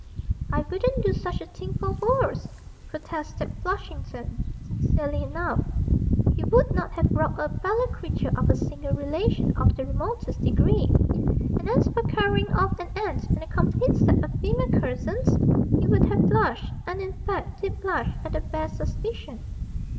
'I wouldn't do such a thing for worlds!' protested Flushington, sincerely enough; he would not have robbed a fellow creature of a single relation of the remotest degree; and as for carrying off an aunt and a complete set of female cousins, he would have blushed (and, in fact, did blush) at the bare suspicion.